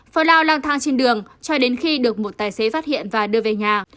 falao lang thang trên đường cho đến khi được một tài xế phát hiện và đưa về nhà